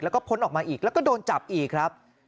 แล้วก็พ้นออกมาอีกแล้วก็โดนจับอีกครับ